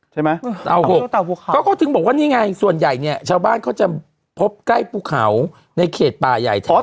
ใช่ไหมก็เขาถึงบอกว่านี่ไงส่วนใหญ่เนี่ยชาวบ้านเขาจะพบใกล้ภูเขาในเขตป่าใหญ่แท้